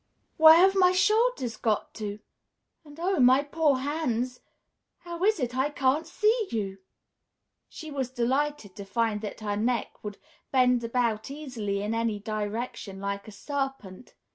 "Where have my shoulders got to? And oh, my poor hands, how is it I can't see you?" She was delighted to find that her neck would bend about easily in any direction, like a serpent.